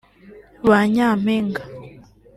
ba Nyampinga